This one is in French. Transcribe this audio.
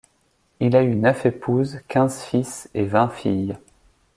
Il a eu neuf épouses, quinze fils et vingt filles.